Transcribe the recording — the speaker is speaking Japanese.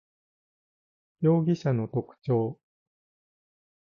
容疑者の特徴